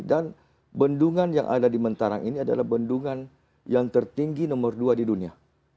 dan bendungan yang ada di mentara ini adalah bendungan yang tertinggi nomor dua di dunia